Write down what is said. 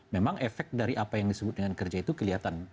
memang efek dari apa yang disebut dengan kerja itu kelihatan